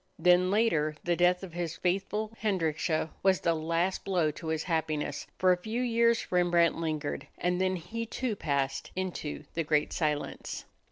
Then later the death of his faithful Hendrickje was the last blow to his happiness. For a few years Rembrandt lingered, and then he too passed into the great silence.